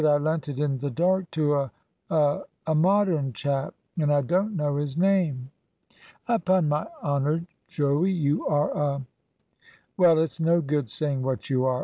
I lent it in the dark to a a Modern chap; and I don't know his name." "Upon my honour, Joey, you are a Well, it's no good saying what you are.